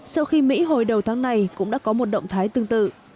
sau khi mỹ hồi đầu tháng này cũng đã có một động thái tương tự